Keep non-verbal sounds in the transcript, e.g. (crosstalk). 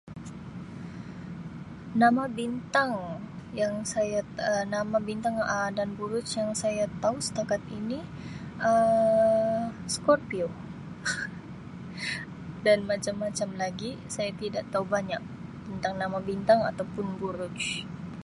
Nama bintang yang saya Um nama bintang Um dan buruj yang saya tau setakat ini Um Scorpio (laughs) dan macam-macam lagi saya tidak tau banyak tentang nama bintang atau pun buruj.